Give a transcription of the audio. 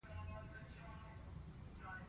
ځینې رسنۍ درواغ خپروي.